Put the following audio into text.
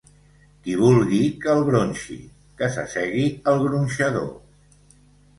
Qui vulgui que el gronxi, que s'assegui al gronxador.